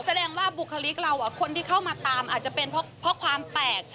แสดงว่าบุคลิกเราคนที่เข้ามาตามอาจจะเป็นเพราะความแปลก